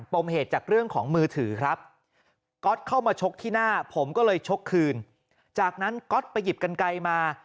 มเหตุจากเรื่องของมือถือครับก๊อตเข้ามาชกที่หน้าผมก็เลยชกคืนจากนั้นก๊อตไปหยิบกันไกลมา